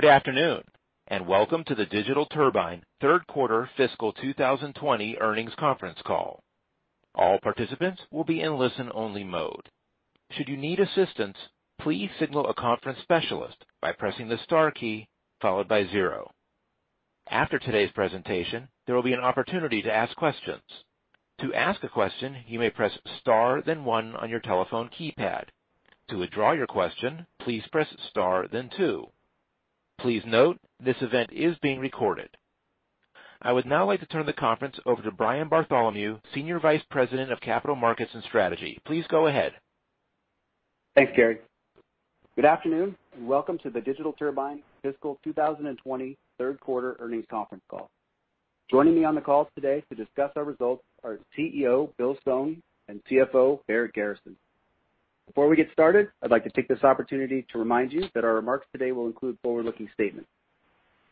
Good afternoon, welcome to the Digital Turbine third quarter fiscal 2020 earnings conference call. All participants will be in listen-only mode. Should you need assistance, please signal a conference specialist by pressing the star key followed by zero. After today's presentation, there will be an opportunity to ask questions. To ask a question, you may press star then one on your telephone keypad. To withdraw your question, please press star then two. Please note, this event is being recorded. I would now like to turn the conference over to Brian Bartholomew, Senior Vice President of Capital Markets and Strategy. Please go ahead. Thanks, Gary. Good afternoon, and welcome to the Digital Turbine fiscal 2020 third quarter earnings conference call. Joining me on the call today to discuss our results are CEO, Bill Stone and CFO, Barrett Garrison. Before we get started, I'd like to take this opportunity to remind you that our remarks today will include forward-looking statements.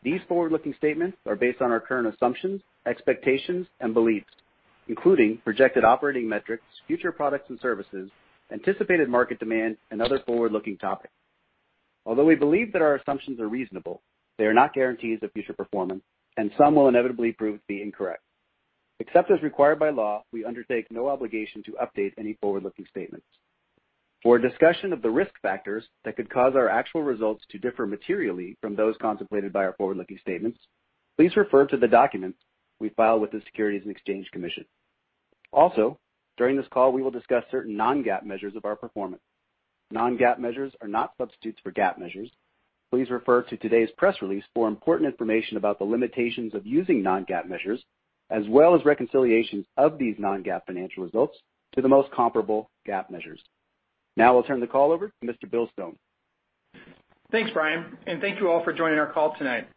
These forward-looking statements are based on our current assumptions, expectations, and beliefs, including projected operating metrics, future products and services, anticipated market demand and other forward-looking topics. Although we believe that our assumptions are reasonable, they are not guarantees of future performance, and some will inevitably prove to be incorrect. Except as required by law, we undertake no obligation to update any forward-looking statements. For a discussion of the risk factors that could cause our actual results to differ materially from those contemplated by our forward-looking statements, please refer to the documents we file with the Securities and Exchange Commission. Also, during this call, we will discuss certain non-GAAP measures of our performance. non-GAAP measures are not substitutes for GAAP measures. Please refer to today's press release for important information about the limitations of using non-GAAP measures, as well as reconciliations of these non-GAAP financial results to the most comparable GAAP measures. Now I'll turn the call over to Mr. Bill Stone. Thanks, Brian, thank you all for joining our call tonight.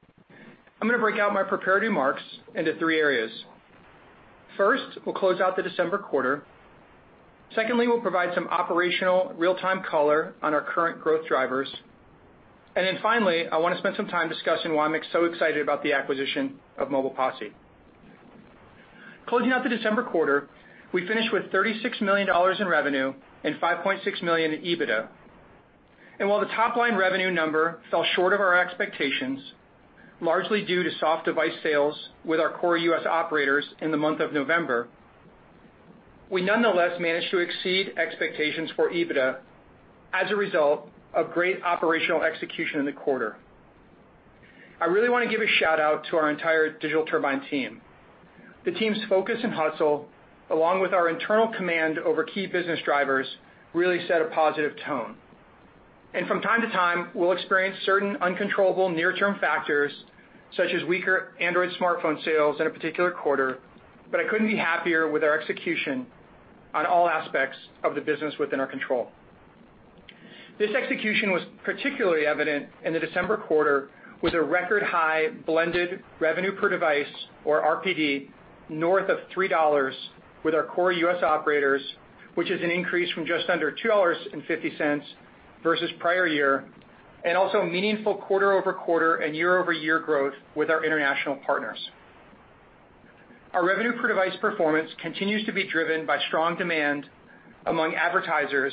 I'm going to break out my prepared remarks into three areas. First, we'll close out the December quarter. Secondly, we'll provide some operational real-time color on our current growth drivers. Finally, I want to spend some time discussing why I'm so excited about the acquisition of Mobile Posse. Closing out the December quarter, we finished with $36 million in revenue and $5.6 million in EBITDA. While the top-line revenue number fell short of our expectations, largely due to soft device sales with our core U.S. operators in the month of November, we nonetheless managed to exceed expectations for EBITDA as a result of great operational execution in the quarter. I really want to give a shout-out to our entire Digital Turbine team. The team's focus and hustle, along with our internal command over key business drivers, really set a positive tone. From time to time, we'll experience certain uncontrollable near-term factors such as weaker Android smartphone sales in a particular quarter, but I couldn't be happier with our execution on all aspects of the business within our control. This execution was particularly evident in the December quarter with a record-high blended revenue per device, or RPD, north of $3 with our core U.S. operators, which is an increase from just under $2.50 versus prior year, and also meaningful quarter-over-quarter and year-over-year growth with our international partners. Our revenue per device performance continues to be driven by strong demand among advertisers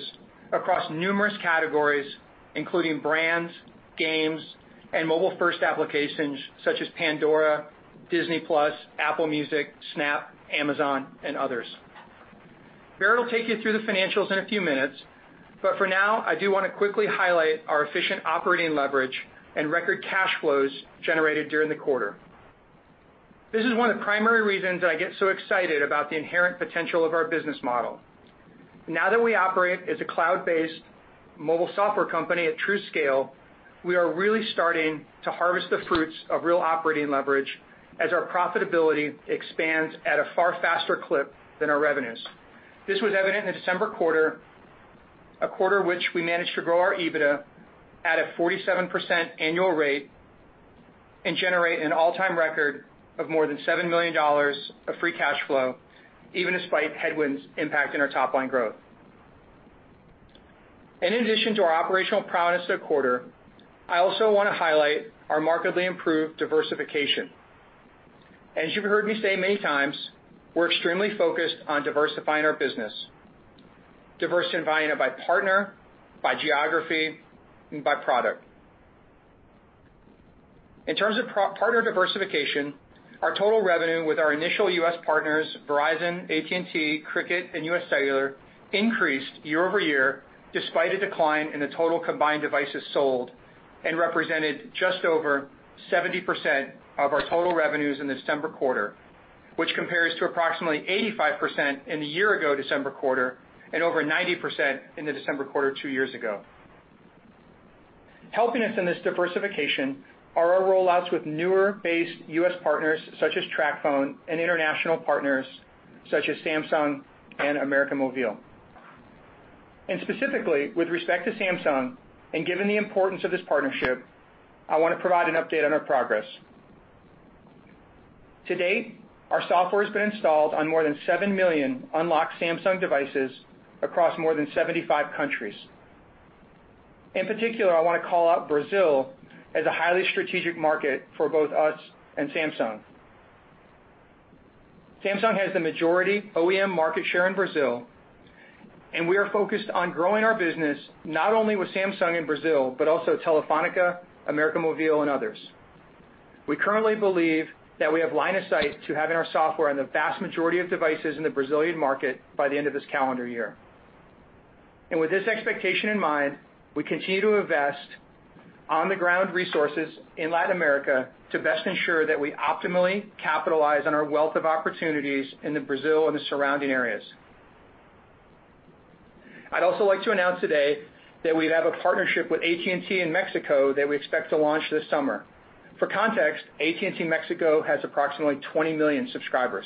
across numerous categories, including brands, games, and mobile-first applications such as Pandora, Disney+, Apple Music, Snap, Amazon and others. Barrett will take you through the financials in a few minutes, but for now, I do want to quickly highlight our efficient operating leverage and record cash flows generated during the quarter. This is one of the primary reasons I get so excited about the inherent potential of our business model. Now that we operate as a cloud-based mobile software company at TrueScale, we are really starting to harvest the fruits of real operating leverage as our profitability expands at a far faster clip than our revenues. This was evident in the December quarter, a quarter which we managed to grow our EBITDA at a 47% annual rate and generate an all-time record of more than $7 million of free cash flow, even despite headwinds impacting our top-line growth. In addition to our operational prowess this quarter, I also want to highlight our markedly improved diversification. As you've heard me say many times, we're extremely focused on diversifying our business, diversifying it by partner, by geography, and by product. In terms of partner diversification, our total revenue with our initial U.S. partners, Verizon, AT&T, Cricket, and U.S. Cellular, increased year-over-year despite a decline in the total combined devices sold and represented just over 70% of our total revenues in the December quarter, which compares to approximately 85% in the year ago December quarter and over 90% in the December quarter two years ago. Helping us in this diversification are our rollouts with newer based U.S. partners such as TracFone and international partners such as Samsung and America Movil. Specifically, with respect to Samsung and given the importance of this partnership, I want to provide an update on our progress. To date, our software has been installed on more than seven million unlocked Samsung devices across more than 75 countries. In particular, I want to call out Brazil as a highly strategic market for both us and Samsung. Samsung has the majority OEM market share in Brazil, and we are focused on growing our business not only with Samsung in Brazil, but also Telefónica, America Movil, and others. We currently believe that we have line of sight to having our software on the vast majority of devices in the Brazilian market by the end of this calendar year. With this expectation in mind, we continue to invest on-the-ground resources in Latin America to best ensure that we optimally capitalize on our wealth of opportunities in Brazil and the surrounding areas. I'd also like to announce today that we have a partnership with AT&T Mexico that we expect to launch this summer. For context, AT&T Mexico has approximately 20 million subscribers.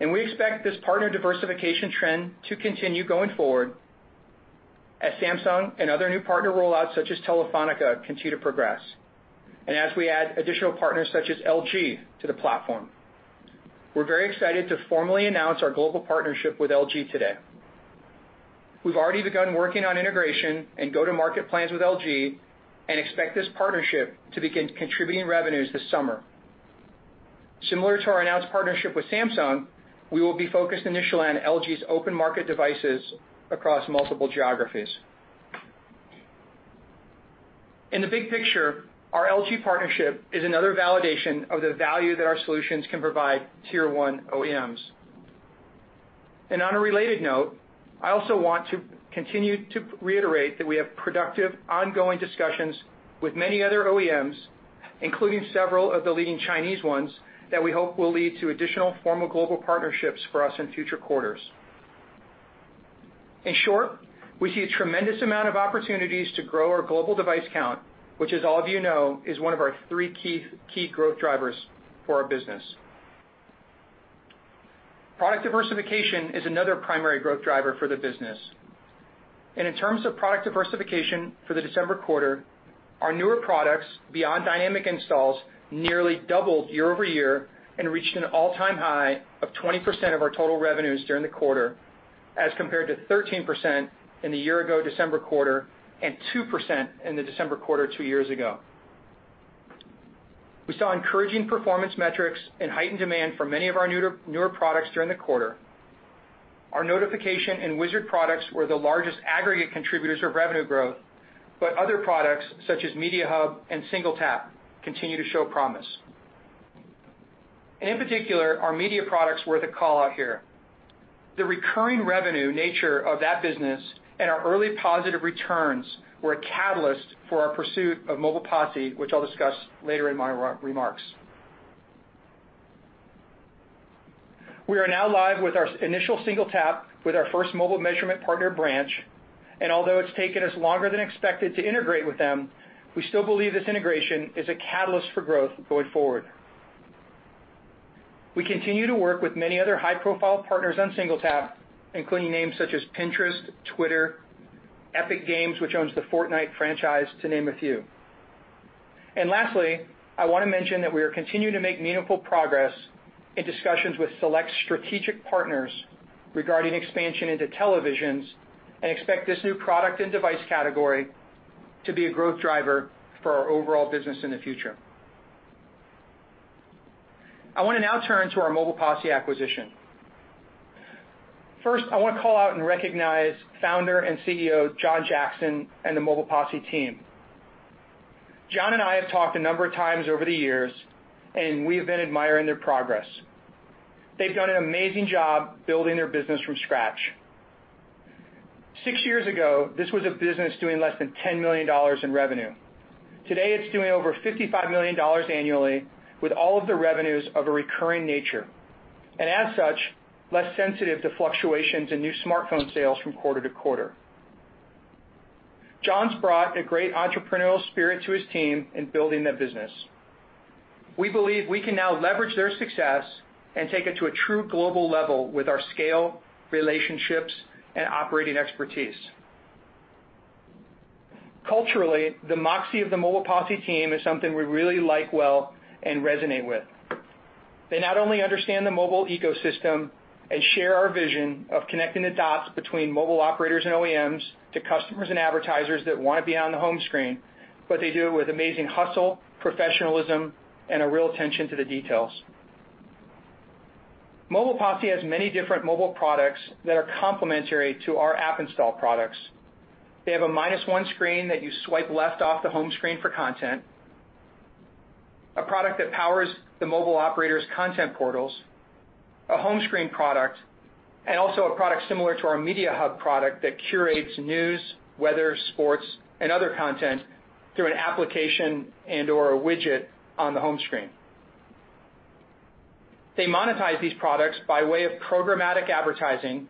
We expect this partner diversification trend to continue going forward as Samsung and other new partner rollouts such as Telefónica continue to progress, and as we add additional partners such as LG to the platform. We're very excited to formally announce our global partnership with LG today. We've already begun working on integration and go-to-market plans with LG and expect this partnership to begin contributing revenues this summer. Similar to our announced partnership with Samsung, we will be focused initially on LG's open market devices across multiple geographies. In the big picture, our LG partnership is another validation of the value that our solutions can provide tier-1 OEMs. On a related note, I also want to continue to reiterate that we have productive, ongoing discussions with many other OEMs, including several of the leading Chinese ones, that we hope will lead to additional formal global partnerships for us in future quarters. In short, we see a tremendous amount of opportunities to grow our global device count, which as all of you know, is one of our three key growth drivers for our business. Product diversification is another primary growth driver for the business. In terms of product diversification for the December quarter, our newer products beyond dynamic installs nearly doubled year-over-year and reached an all-time high of 20% of our total revenues during the quarter as compared to 13% in the year-ago December quarter and 2% in the December quarter two years ago. We saw encouraging performance metrics and heightened demand for many of our newer products during the quarter. Our Notifications and Wizard products were the largest aggregate contributors of revenue growth, but other products such as MediaHub and SingleTap continue to show promise. In particular, our media products were the call-out here. The recurring revenue nature of that business and our early positive returns were a catalyst for our pursuit of Mobile Posse, which I'll discuss later in my remarks. We are now live with our initial SingleTap with our first mobile measurement partner Branch, and although it's taken us longer than expected to integrate with them, we still believe this integration is a catalyst for growth going forward. We continue to work with many other high-profile partners on SingleTap, including names such as Pinterest, Twitter, Epic Games, which owns the Fortnite franchise, to name a few. Lastly, I want to mention that we are continuing to make meaningful progress in discussions with select strategic partners regarding expansion into televisions and expect this new product and device category to be a growth driver for our overall business in the future. I want to now turn to our Mobile Posse acquisition. First, I want to call out and recognize founder and CEO, Jon Jackson, and the Mobile Posse team. Jon and I have talked a number of times over the years, and we have been admiring their progress. They've done an amazing job building their business from scratch. Six years ago, this was a business doing less than $10 million in revenue. Today, it's doing over $55 million annually with all of the revenues of a recurring nature, and as such, less sensitive to fluctuations in new smartphone sales from quarter to quarter. Jon's brought a great entrepreneurial spirit to his team in building the business. We believe we can now leverage their success and take it to a true global level with our scale, relationships, and operating expertise. Culturally, the moxie of the Mobile Posse team is something we really like well and resonate with. They not only understand the mobile ecosystem and share our vision of connecting the dots between mobile operators and OEMs to customers and advertisers that want to be on the home screen, but they do it with amazing hustle, professionalism, and a real attention to the details. Mobile Posse has many different mobile products that are complementary to our app install products. They have a minus one screen that you swipe left off the home screen for content, a product that powers the mobile operator's content portals, a home screen product, and also a product similar to our MediaHub product that curates news, weather, sports, and other content through an application and/or a widget on the home screen. They monetize these products by way of programmatic advertising.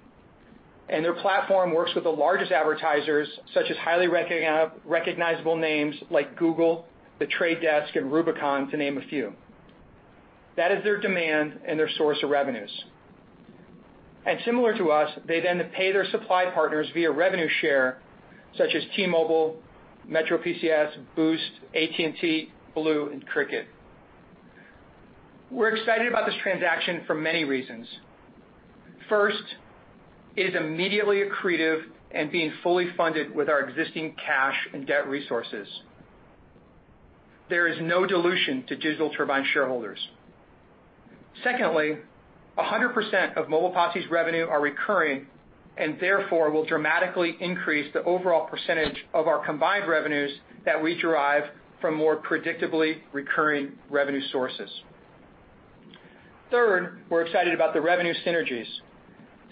Their platform works with the largest advertisers, such as highly recognizable names like Google, The Trade Desk, and Rubicon, to name a few. That is their demand and their source of revenues. Similar to us, they then pay their supply partners via revenue share, such as T-Mobile, MetroPCS, Boost, AT&T, BLU, and Cricket. We're excited about this transaction for many reasons. First, it is immediately accretive and being fully funded with our existing cash and debt resources. There is no dilution to Digital Turbine shareholders. 100% of Mobile Posse's revenue are recurring, and therefore, will dramatically increase the overall percentage of our combined revenues that we derive from more predictably recurring revenue sources. We're excited about the revenue synergies.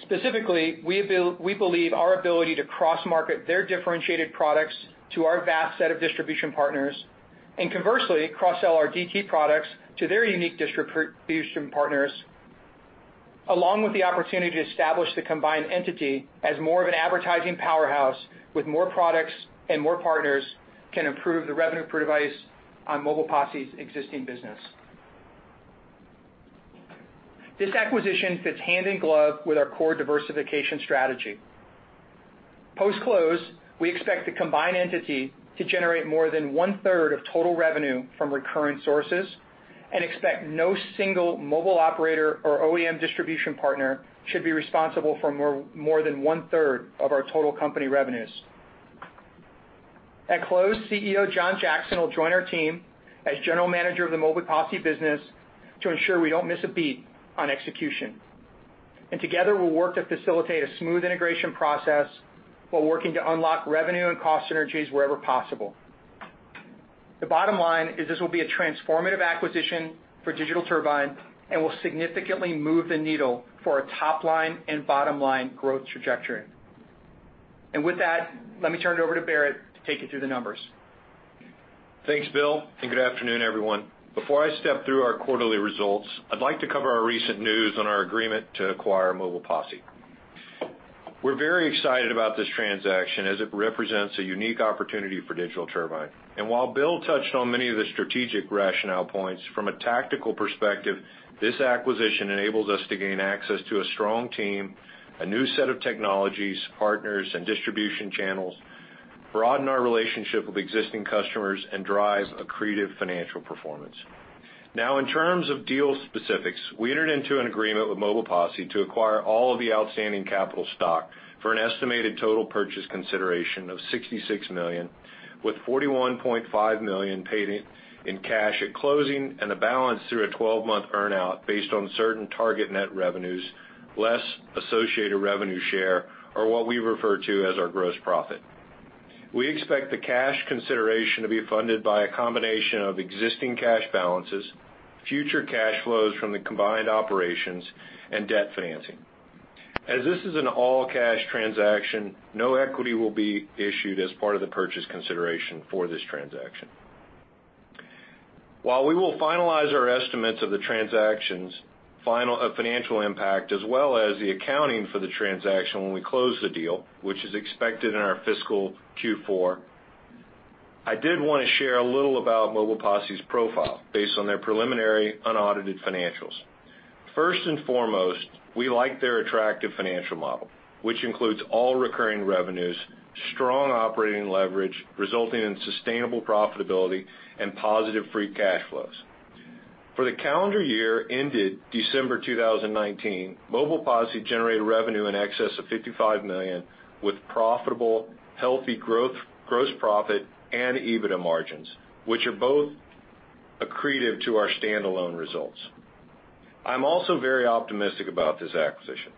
We believe our ability to cross-market their differentiated products to our vast set of distribution partners and conversely, cross-sell our DT products to their unique distribution partners, along with the opportunity to establish the combined entity as more of an advertising powerhouse with more products and more partners, can improve the revenue per device on Mobile Posse's existing business. This acquisition fits hand in glove with our core diversification strategy. Post-close, we expect the combined entity to generate more than one-third of total revenue from recurring sources and expect no single mobile operator or OEM distribution partner should be responsible for more than one-third of our total company revenues. At close, CEO Jon Jackson will join our team as general manager of the Mobile Posse business to ensure we don't miss a beat on execution. Together, we'll work to facilitate a smooth integration process while working to unlock revenue and cost synergies wherever possible. The bottom line is this will be a transformative acquisition for Digital Turbine and will significantly move the needle for our top-line and bottom-line growth trajectory. With that, let me turn it over to Barrett to take you through the numbers. Thanks, Bill, good afternoon, everyone. Before I step through our quarterly results, I'd like to cover our recent news on our agreement to acquire Mobile Posse. We're very excited about this transaction as it represents a unique opportunity for Digital Turbine. While Bill touched on many of the strategic rationale points, from a tactical perspective, this acquisition enables us to gain access to a strong team, a new set of technologies, partners, and distribution channels, broaden our relationship with existing customers, and drive accretive financial performance. Now, in terms of deal specifics, we entered into an agreement with Mobile Posse to acquire all of the outstanding capital stock for an estimated total purchase consideration of $66 million, with $41.5 million paid in cash at closing and a balance through a 12-month earn-out based on certain target net revenues, less associated revenue share or what we refer to as our gross profit. We expect the cash consideration to be funded by a combination of existing cash balances, future cash flows from the combined operations, and debt financing. As this is an all-cash transaction, no equity will be issued as part of the purchase consideration for this transaction. While we will finalize our estimates of the transaction's financial impact as well as the accounting for the transaction when we close the deal, which is expected in our fiscal Q4, I did want to share a little about Mobile Posse's profile based on their preliminary unaudited financials. First and foremost, we like their attractive financial model, which includes all recurring revenues, strong operating leverage resulting in sustainable profitability and positive free cash flows. For the calendar year ended December 2019, Mobile Posse generated revenue in excess of $55 million with profitable, healthy, gross profit, and EBITDA margins, which are both accretive to our standalone results. I'm also very optimistic about this acquisition.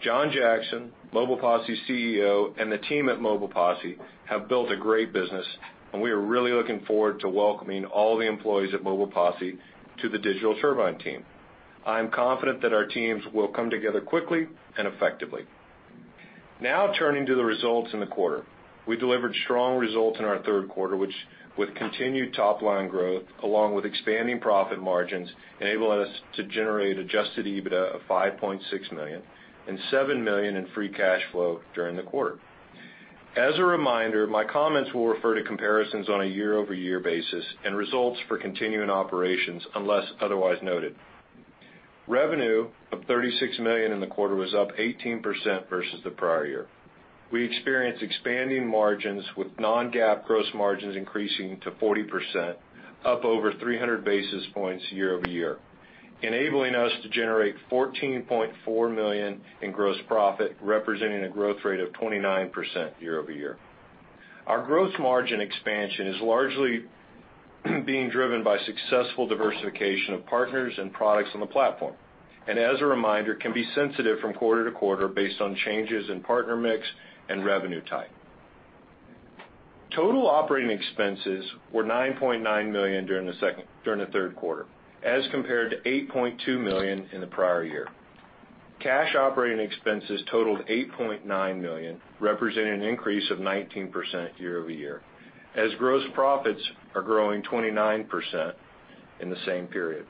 Jon Jackson, Mobile Posse's CEO, and the team at Mobile Posse have built a great business, and we are really looking forward to welcoming all the employees at Mobile Posse to the Digital Turbine team. I am confident that our teams will come together quickly and effectively. Turning to the results in the quarter. We delivered strong results in our third quarter with continued top-line growth along with expanding profit margins, enabling us to generate adjusted EBITDA of $5.6 million and $7 million in free cash flow during the quarter. As a reminder, my comments will refer to comparisons on a year-over-year basis and results for continuing operations unless otherwise noted. Revenue of $36 million in the quarter was up 18% versus the prior year. We experienced expanding margins with non-GAAP gross margins increasing to 40%, up over 300 basis points year-over-year, enabling us to generate $14.4 million in gross profit, representing a growth rate of 29% year-over-year. Our growth margin expansion is largely being driven by successful diversification of partners and products on the platform. As a reminder, can be sensitive from quarter to quarter based on changes in partner mix and revenue type. Total operating expenses were $9.9 million during the third quarter as compared to $8.2 million in the prior year. Cash operating expenses totaled $8.9 million, representing an increase of 19% year-over-year, as gross profits are growing 29% in the same period.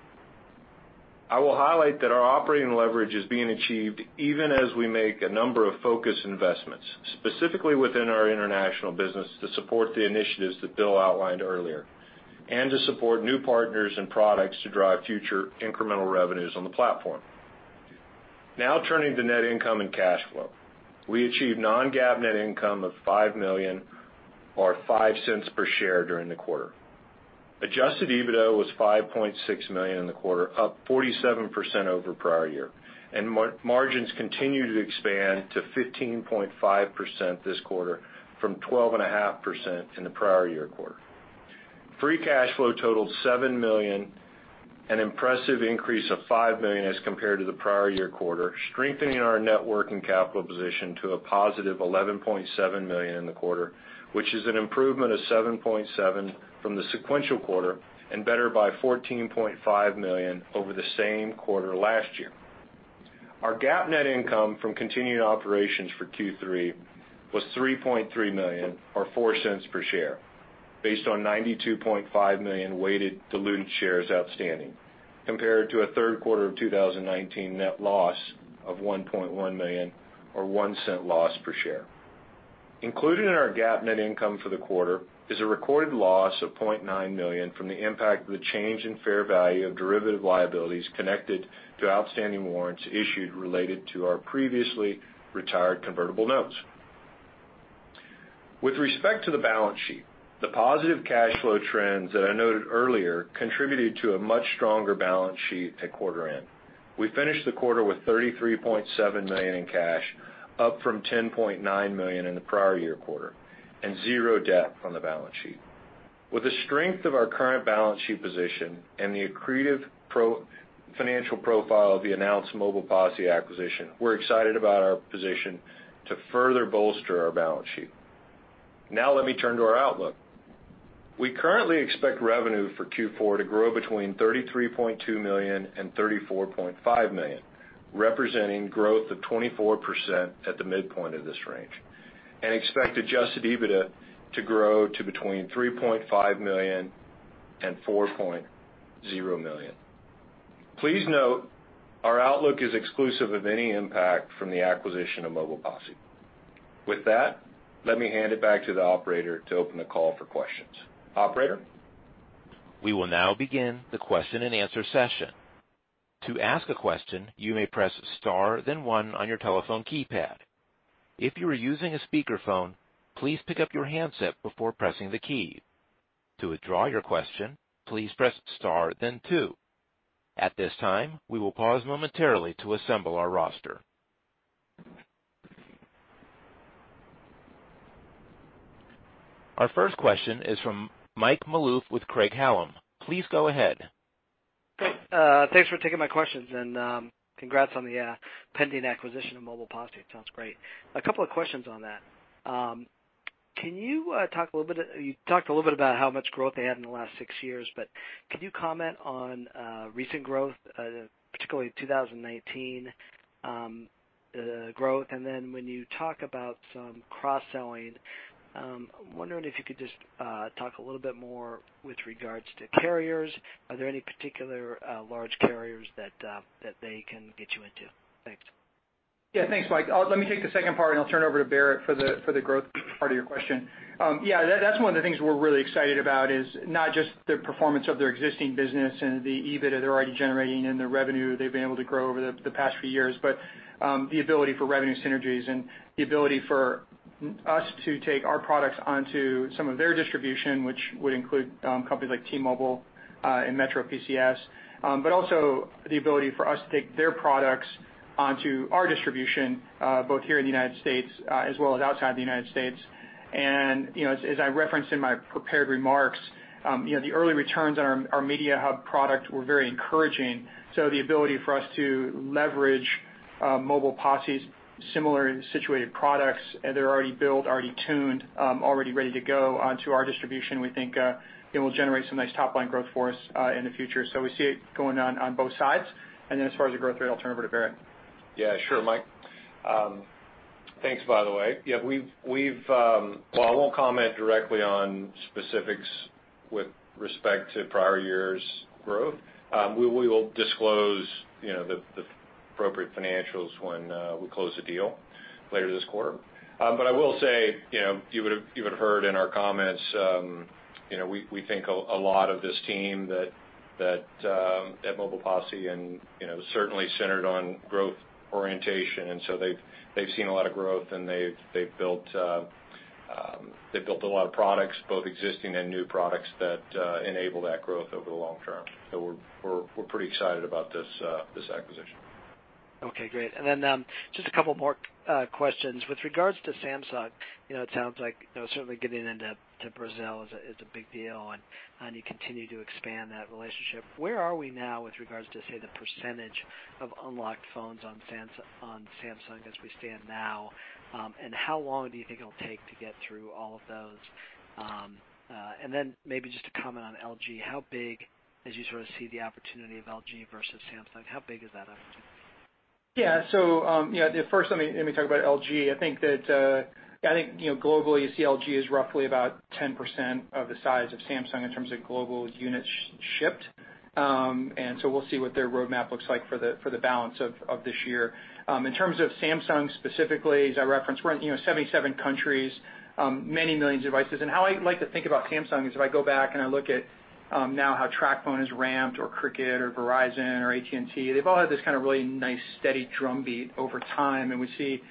I will highlight that our operating leverage is being achieved even as we make a number of focus investments, specifically within our international business to support the initiatives that Bill outlined earlier and to support new partners and products to drive future incremental revenues on the platform. Now turning to net income and cash flow. We achieved non-GAAP net income of $5 million or $0.05 per share during the quarter. Adjusted EBITDA was $5.6 million in the quarter, up 47% over prior year, and margins continued to expand to 15.5% this quarter from 12.5% in the prior year quarter. Free cash flow totaled $7 million, an impressive increase of $5 million as compared to the prior year quarter, strengthening our net working capital position to a positive $11.7 million in the quarter, which is an improvement of $7.7 million from the sequential quarter and better by $14.5 million over the same quarter last year. Our GAAP net income from continued operations for Q3 was $3.3 million, or $0.04 per share, based on 92.5 million weighted diluted shares outstanding, compared to a third quarter of 2019 net loss of $1.1 million, or $0.01 loss per share. Included in our GAAP net income for the quarter is a recorded loss of $0.9 million from the impact of the change in fair value of derivative liabilities connected to outstanding warrants issued related to our previously retired convertible notes. With respect to the balance sheet, the positive cash flow trends that I noted earlier contributed to a much stronger balance sheet at quarter end. We finished the quarter with $33.7 million in cash, up from $10.9 million in the prior year quarter, and zero debt on the balance sheet. With the strength of our current balance sheet position and the accretive financial profile of the announced Mobile Posse acquisition, we're excited about our position to further bolster our balance sheet. Now let me turn to our outlook. We currently expect revenue for Q4 to grow between $33.2 million and $34.5 million, representing growth of 24% at the midpoint of this range, and expect adjusted EBITDA to grow to between $3.5 million and $4.0 million. Please note our outlook is exclusive of any impact from the acquisition of Mobile Posse. With that, let me hand it back to the Operator to open the call for questions. Operator? We will now begin the question and answer session. To ask a question, you may press star then one on your telephone keypad. If you are using a speakerphone, please pick up your handset before pressing the key. To withdraw your question, please press star then two. At this time, we will pause momentarily to assemble our roster. Our first question is from Mike Malouf with Craig-Hallum. Please go ahead. Thanks for taking my questions and congrats on the pending acquisition of Mobile Posse. Sounds great. A couple of questions on that. You talked a little bit about how much growth they had in the last six years, but could you comment on recent growth, particularly 2019 growth? When you talk about some cross-selling, I'm wondering if you could just talk a little bit more with regards to carriers. Are there any particular large carriers that they can get you into? Thanks. Thanks, Mike. Let me take the second part and I'll turn it over to Barrett for the growth part of your question. That's one of the things we're really excited about is not just the performance of their existing business and the EBITDA they're already generating and the revenue they've been able to grow over the past few years, but the ability for revenue synergies and the ability for us to take our products onto some of their distribution, which would include companies like T-Mobile and MetroPCS, but also the ability for us to take their products onto our distribution, both here in the U.S. as well as outside the U.S. As I referenced in my prepared remarks, the early returns on our MediaHub product were very encouraging. The ability for us to leverage Mobile Posse's similarly situated products that are already built, already tuned, already ready to go onto our distribution, we think it will generate some nice top-line growth for us in the future. We see it going on both sides. As far as the growth rate, I'll turn it over to Barrett. Yeah, sure, Mike. Thanks, by the way. While I won't comment directly on specifics with respect to prior year's growth, we will disclose the appropriate financials when we close the deal later this quarter. I will say, you would've heard in our comments, we think a lot of this team at Mobile Posse and certainly centered on growth orientation, they've seen a lot of growth and they've built a lot of products, both existing and new products that enable that growth over the long term. We're pretty excited about this acquisition. Okay, great. Then just a couple more questions. With regards to Samsung, it sounds like certainly getting into Brazil is a big deal and you continue to expand that relationship. Where are we now with regards to, say, the percentage of unlocked phones on Samsung as we stand now? How long do you think it'll take to get through all of those? Then maybe just a comment on LG. As you sort of see the opportunity of LG versus Samsung, how big is that opportunity? First let me talk about LG. I think globally you see LG is roughly about 10% of the size of Samsung in terms of global units shipped. We'll see what their roadmap looks like for the balance of this year. In terms of Samsung specifically, as I referenced, we're in 77 countries, many millions of devices. How I like to think about Samsung is if I go back and I look at Now how TracFone has ramped or Cricket or Verizon or AT&T, they've all had this really nice steady drumbeat over time, and we see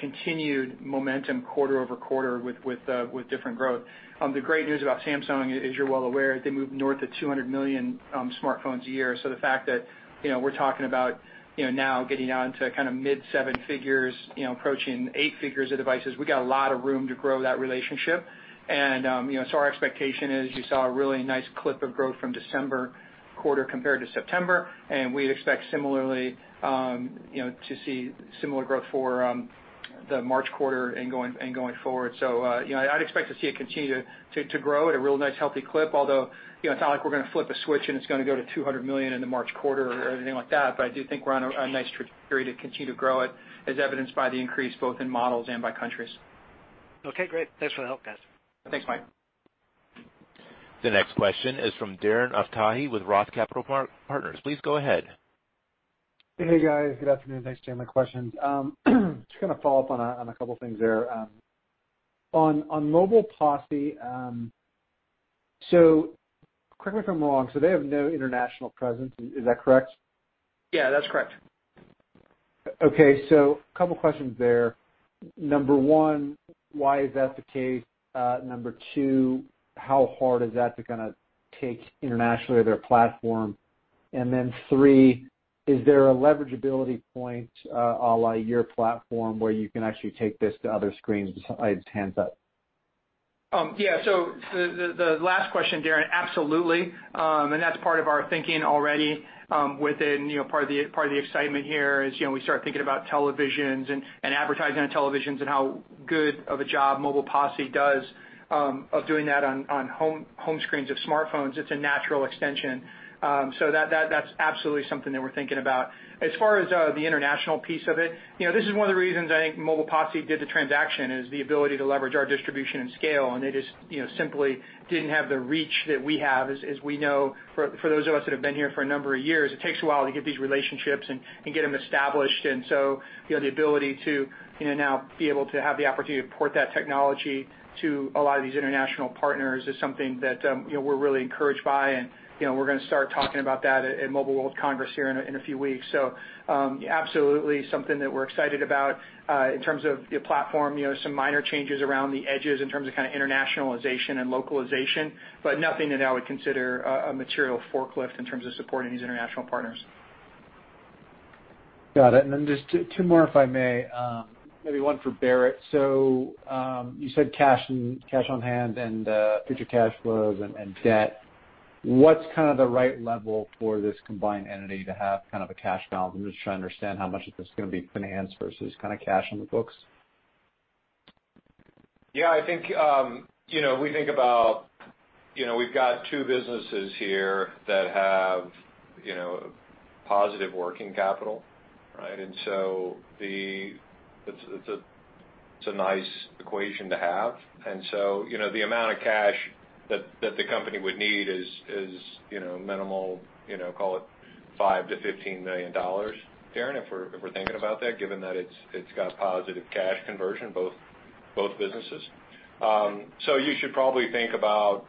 continued momentum quarter-over-quarter with different growth. The great news about Samsung, as you're well aware, they move north of 200 million smartphones a year. The fact that we're talking about now getting on to mid-seven figures, approaching eight figures of devices, we got a lot of room to grow that relationship. Our expectation is you saw a really nice clip of growth from December quarter compared to September, and we'd expect to see similar growth for the March quarter and going forward. I'd expect to see it continue to grow at a real nice healthy clip. It's not like we're going to flip a switch and it's going to go to $200 million in the March quarter or anything like that, but I do think we're on a nice trajectory to continue to grow it as evidenced by the increase both in models and by countries. Okay, great. Thanks for the help, guys. Thanks, Mike. The next question is from Darren Aftahi with Roth Capital Partners. Please go ahead. Hey, guys. Good afternoon. Thanks for taking my questions. Going to follow up on a couple things there. On Mobile Posse, correct me if I'm wrong, they have no international presence, is that correct? Yeah, that's correct. Okay. A couple questions there. Number one, why is that the case? Number two, how hard is that to take internationally their platform? Three, is there a leverageability point à la your platform where you can actually take this to other screens besides handset? The last question, Darren. Absolutely. That's part of our thinking already. Part of the excitement here is, we start thinking about televisions and advertising on televisions and how good of a job Mobile Posse does of doing that on home screens of smartphones. It's a natural extension. That's absolutely something that we're thinking about. As far as the international piece of it, this is one of the reasons I think Mobile Posse did the transaction, is the ability to leverage our distribution and scale, and they just simply didn't have the reach that we have. As we know, for those of us that have been here for a number of years, it takes a while to get these relationships and get them established. The ability to now be able to have the opportunity to port that technology to a lot of these international partners is something that we're really encouraged by, and we're going to start talking about that at Mobile World Congress here in a few weeks. Absolutely something that we're excited about, in terms of the platform, some minor changes around the edges in terms of internationalization and localization, but nothing that I would consider a material forklift in terms of supporting these international partners. Got it. Just two more, if I may. Maybe one for Barrett. You said cash on hand and future cash flows and debt. What's the right level for this combined entity to have a cash balance? I'm just trying to understand how much of this is going to be finance versus cash on the books. Yeah, we think about we've got two businesses here that have positive working capital, right? It's a nice equation to have. The amount of cash that the company would need is minimal, call it $5 million-$15 million, Darren, if we're thinking about that, given that it's got positive cash conversion, both businesses. You should probably think about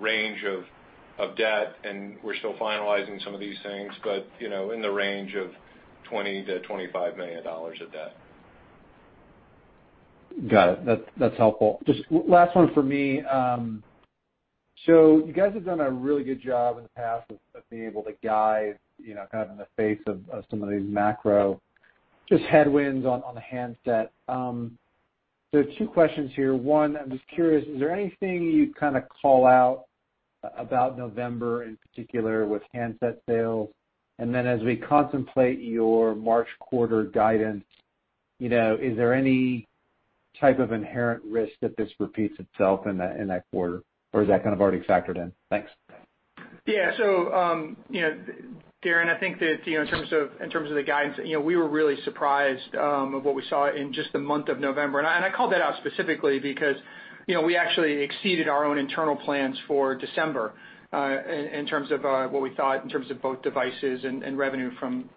range of debt, and we're still finalizing some of these things, but in the range of $20 million-$25 million of debt. Got it. That's helpful. Just last one for me. You guys have done a really good job in the past of being able to guide in the face of some of these macro just headwinds on the handset. Two questions here. One, I'm just curious, is there anything you'd call out about November in particular with handset sales? As we contemplate your March quarter guidance, is there any type of inherent risk that this repeats itself in that quarter, or is that already factored in? Thanks. Yeah. Darren, I think that in terms of the guidance, we were really surprised of what we saw in just the month of November. I called that out specifically because we actually exceeded our own internal plans for December, in terms of what we thought, in terms of both devices and revenue from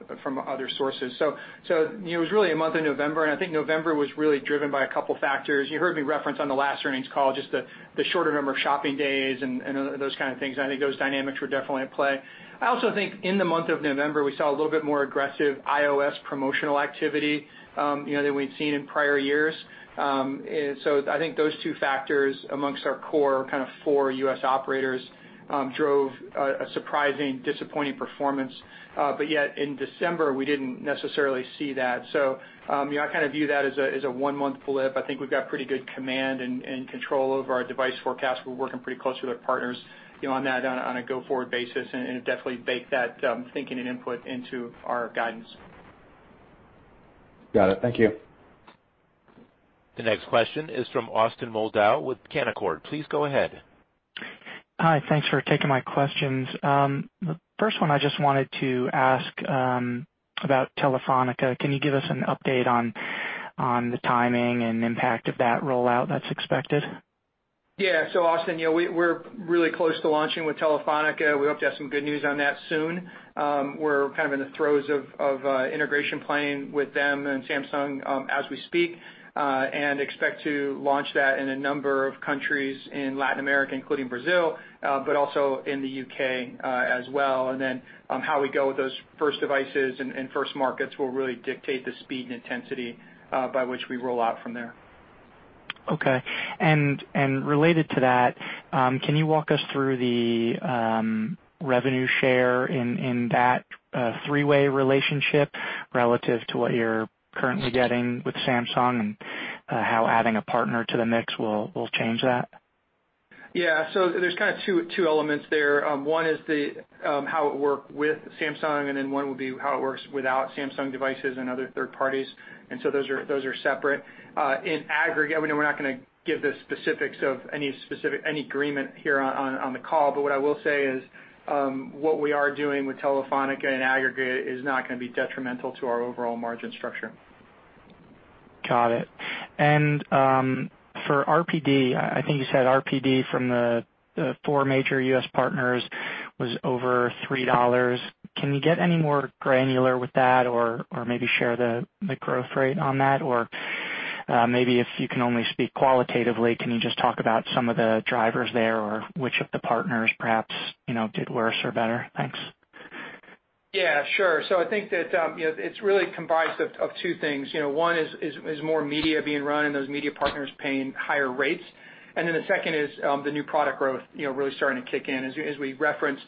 other sources. It was really the month of November, and I think November was really driven by a couple factors. You heard me reference on the last earnings call, just the shorter number of shopping days and those kind of things, and I think those dynamics were definitely at play. I also think in the month of November, we saw a little bit more aggressive iOS promotional activity than we'd seen in prior years. I think those two factors amongst our core four U.S. operators, drove a surprising, disappointing performance. In December, we didn't necessarily see that. I view that as a one-month blip. I think we've got pretty good command and control over our device forecast. We're working pretty closely with partners on that on a go-forward basis, and definitely bake that thinking and input into our guidance. Got it. Thank you. The next question is from Austin Moldow with Canaccord. Please go ahead. Hi. Thanks for taking my questions. The first one I just wanted to ask about Telefónica. Can you give us an update on the timing and impact of that rollout that's expected? Yeah. Austin, we're really close to launching with Telefónica. We hope to have some good news on that soon. We're in the throes of integration planning with them and Samsung as we speak, and expect to launch that in a number of countries in Latin America, including Brazil, but also in the U.K. as well. How we go with those first devices and first markets will really dictate the speed and intensity by which we roll out from there. Okay. Related to that, can you walk us through the revenue share in that three-way relationship relative to what you're currently getting with Samsung, and how adding a partner to the mix will change that? There's two elements there. One is how it worked with Samsung, one will be how it works without Samsung devices and other third parties. Those are separate. In aggregate, we're not going to give the specifics of any agreement here on the call, but what I will say is, what we are doing with Telefónica in aggregate is not going to be detrimental to our overall margin structure. Got it. For RPD, I think you said RPD from the four major U.S. partners was over $3. Can you get any more granular with that? Maybe share the growth rate on that? Maybe if you can only speak qualitatively, can you just talk about some of the drivers there or which of the partners perhaps, did worse or better? Thanks. Sure. I think that it's really comprised of two things. One is more media being run and those media partners paying higher rates. The second is the new product growth, really starting to kick in. As we referenced,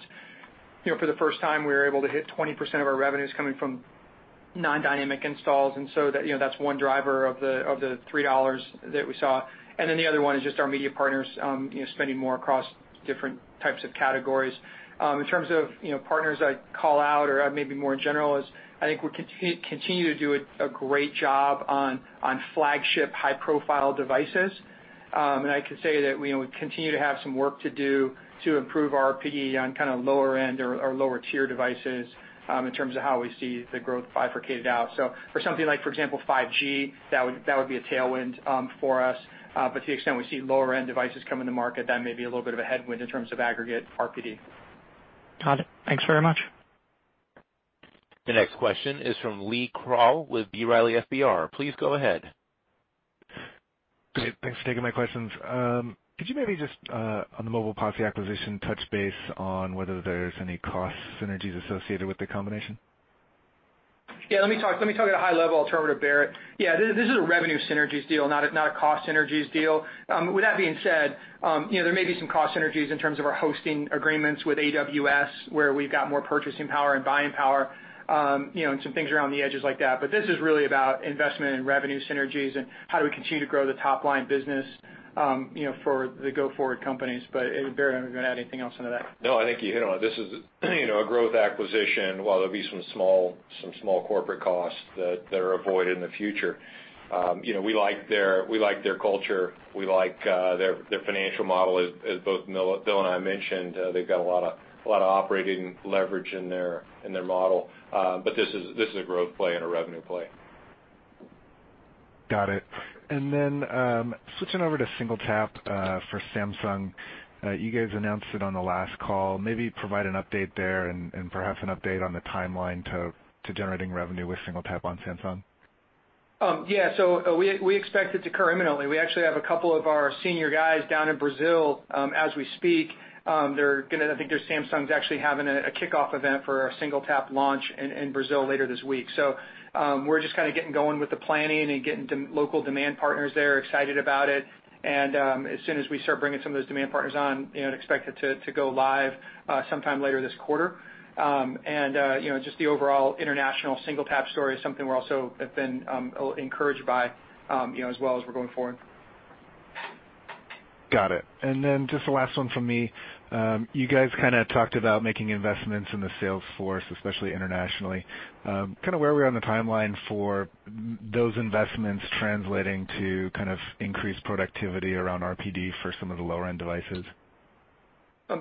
for the first time, we were able to hit 20% of our revenues coming from non-dynamic installs. That's one driver of the $3 that we saw. The other one is just our media partners spending more across different types of categories. In terms of partners I'd call out or maybe more in general is, I think we continue to do a great job on flagship high-profile devices. I can say that we continue to have some work to do to improve our RPD on lower end or lower tier devices, in terms of how we see the growth bifurcated out. For something like, for example, 5G, that would be a tailwind for us. To the extent we see lower-end devices come in the market, that may be a little bit of a headwind in terms of aggregate RPD. Got it. Thanks very much. The next question is from Lee Krowl with B. Riley FBR. Please go ahead. Great. Thanks for taking my questions. Could you maybe just, on the Mobile Posse acquisition, touch base on whether there's any cost synergies associated with the combination? Yeah, let me talk at a high level. I'll turn it to Barrett. Yeah, this is a revenue synergies deal, not a cost synergies deal. With that being said, there may be some cost synergies in terms of our hosting agreements with AWS, where we've got more purchasing power and buying power, and some things around the edges like that. This is really about investment and revenue synergies and how do we continue to grow the top-line business, for the go-forward companies. Barrett, do you want to add anything else into that? No, I think you hit on it. This is a growth acquisition, while there'll be some small corporate costs that are avoided in the future. We like their culture. We like their financial model. As both Bill and I mentioned, they've got a lot of operating leverage in their model. This is a growth play and a revenue play. Got it. Then, switching over to SingleTap, for Samsung. You guys announced it on the last call. Maybe provide an update there and perhaps an update on the timeline to generating revenue with SingleTap on Samsung. Yeah. We expect it to occur imminently. We actually have a couple of our senior guys down in Brazil, as we speak. I think Samsung's actually having a kickoff event for our SingleTap launch in Brazil later this week. We're just getting going with the planning and getting local demand partners there excited about it. As soon as we start bringing some of those demand partners on, expect it to go live sometime later this quarter. Just the overall international SingleTap story is something we also have been encouraged by as well as we're going forward. Got it. Just the last one from me. You guys talked about making investments in the sales force, especially internationally. Where are we on the timeline for those investments translating to increased productivity around RPD for some of the lower-end devices?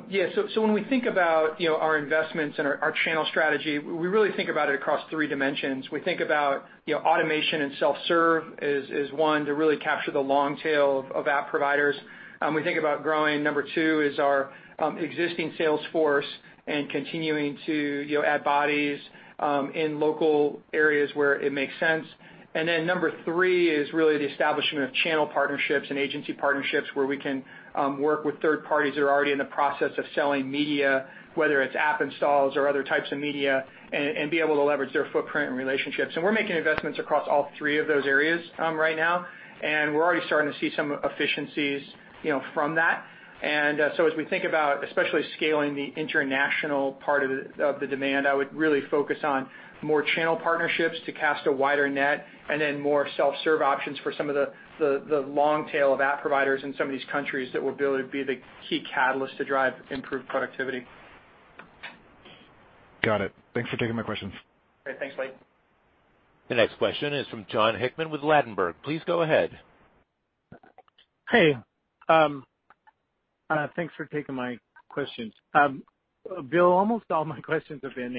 Yeah. When we think about our investments and our channel strategy, we really think about it across three dimensions. We think about automation and self-serve as one to really capture the long tail of app providers. We think about growing, number two, is our existing sales force and continuing to add bodies in local areas where it makes sense. Number three is really the establishment of channel partnerships and agency partnerships where we can work with third parties that are already in the process of selling media, whether it's app installs or other types of media, and be able to leverage their footprint and relationships. We're making investments across all three of those areas right now, and we're already starting to see some efficiencies from that. As we think about, especially scaling the international part of the demand, I would really focus on more channel partnerships to cast a wider net, and then more self-serve options for some of the long tail of app providers in some of these countries that will be able to be the key catalyst to drive improved productivity. Got it. Thanks for taking my questions. Great. Thanks, Lee. The next question is from Jon Hickman with Ladenburg. Please go ahead. Hey. Thanks for taking my questions. Bill, almost all my questions have been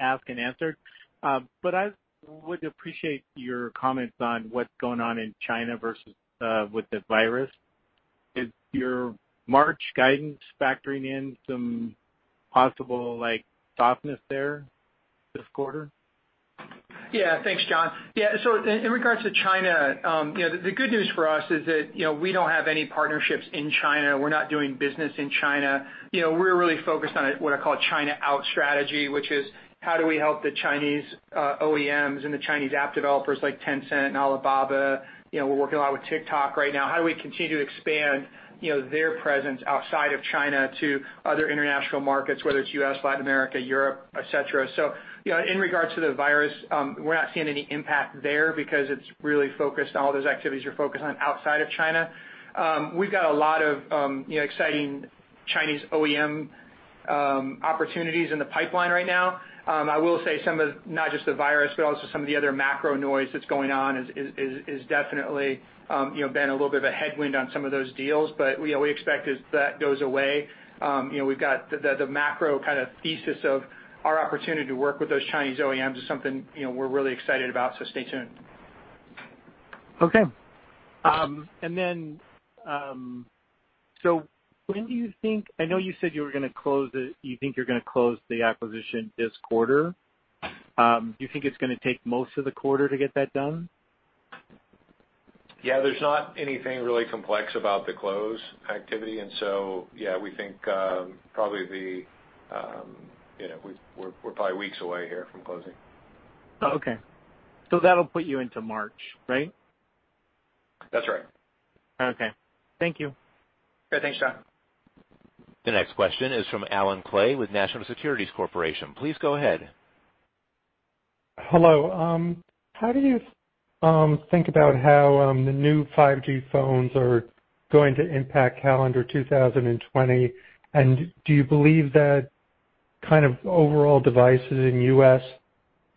asked and answered. I would appreciate your comments on what's going on in China versus with this virus. Is your March guidance factoring in some possible softness there this quarter? Yeah. Thanks, Jon. In regards to China, the good news for us is that, we don't have any partnerships in China. We're not doing business in China. We're really focused on what I call China out strategy, which is how do we help the Chinese OEMs and the Chinese app developers like Tencent and Alibaba? We're working a lot with TikTok right now. How do we continue to expand their presence outside of China to other international markets, whether it's U.S., Latin America, Europe, et cetera. In regards to the virus, we're not seeing any impact there because it's really focused on all those activities you're focused on outside of China. We've got a lot of exciting Chinese OEM opportunities in the pipeline right now. I will say some of, not just the virus, but also some of the other macro noise that's going on has definitely been a little bit of a headwind on some of those deals. We expect as that goes away, we've got the macro kind of thesis of our opportunity to work with those Chinese OEMs is something we're really excited about. Stay tuned. Okay. I know you said you were going to close it. You think you're going to close the acquisition this quarter. Do you think it's going to take most of the quarter to get that done? Yeah, there's not anything really complex about the close activity. Yeah, we think, we're probably weeks away here from closing. Okay. That'll put you into March, right? That's right. Okay. Thank you. Yeah. Thanks, Jon. The next question is from Allen Klee with National Securities Corporation. Please go ahead. Hello. How do you think about how the new 5G phones are going to impact calendar 2020? Do you believe that kind of overall devices in U.S.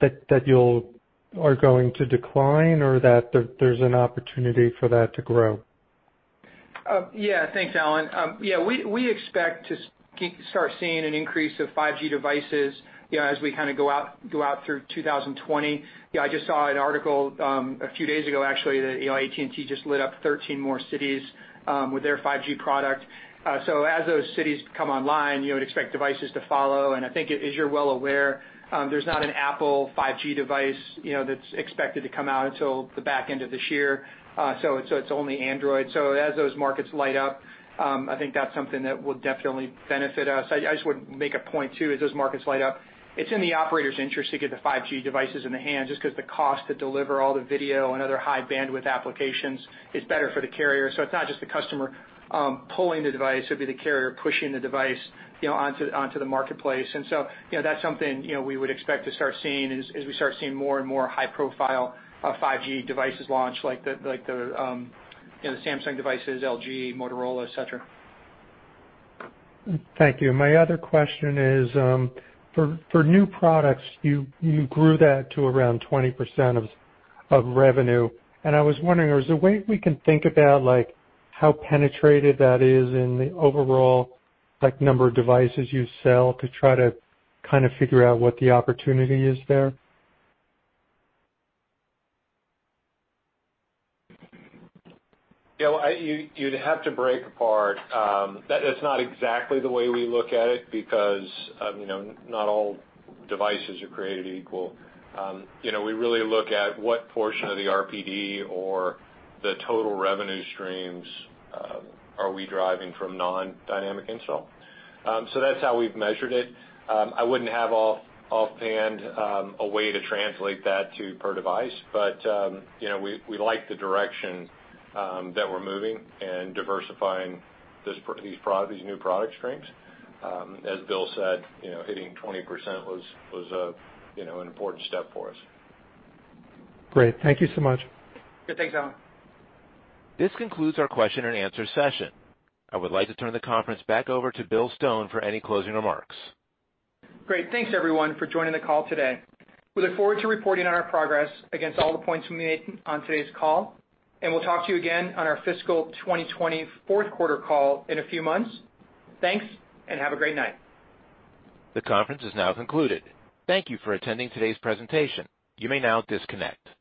are going to decline or that there's an opportunity for that to grow? Thanks, Allen. We expect to start seeing an increase of 5G devices as we go out through 2020. I just saw an article, a few days ago, actually, that AT&T just lit up 13 more cities with their 5G product. As those cities come online, you would expect devices to follow. I think as you're well aware, there's not an Apple 5G device that's expected to come out until the back end of this year. It's only Android. As those markets light up, I think that's something that will definitely benefit us. I just would make a point, too, as those markets light up, it's in the operator's interest to get the 5G devices in the hand, just because the cost to deliver all the video and other high bandwidth applications is better for the carrier. It's not just the customer pulling the device. It'd be the carrier pushing the device onto the marketplace. That's something we would expect to start seeing as we start seeing more and more high-profile 5G devices launch, like the Samsung devices, LG, Motorola, et cetera. Thank you. My other question is, for new products, you grew that to around 20% of revenue. Is there a way we can think about how penetrated that is in the overall number of devices you sell to try to kind of figure out what the opportunity is there? That is not exactly the way we look at it because not all devices are created equal. We really look at what portion of the RPD or the total revenue streams are we driving from non-Dynamic Install. That's how we've measured it. I wouldn't have offhand a way to translate that to per device, but we like the direction that we're moving and diversifying these new product streams. As Bill said, hitting 20% was an important step for us. Great. Thank you so much. Yeah. Thanks, Allen. This concludes our question and answer session. I would like to turn the conference back over to Bill Stone for any closing remarks. Great. Thanks everyone for joining the call today. We look forward to reporting on our progress against all the points we made on today's call, and we'll talk to you again on our fiscal 2020 fourth quarter call in a few months. Thanks and have a great night. The conference is now concluded. Thank you for attending today's presentation. You may now disconnect.